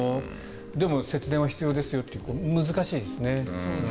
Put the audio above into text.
でも節電は必要ですよという難しいですね。